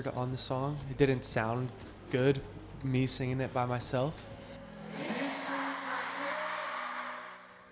lagi lagi leni yang memiliki lirik sederhana tetapi begitu mengena